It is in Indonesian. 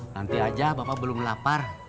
nanti aja bapak belum lapar